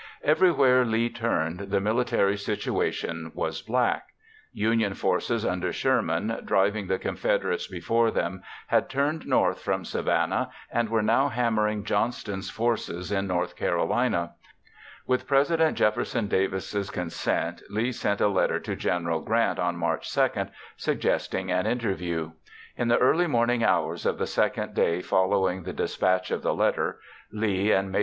Everywhere Lee turned, the military situation was black. Union forces under Sherman, driving the Confederates before them, had turned north from Savannah and were now hammering Johnston's forces in North Carolina. With President Jefferson Davis' consent, Lee sent a letter to General Grant on March 2 suggesting an interview. In the early morning hours of the second day following the dispatch of the letter, Lee and Maj.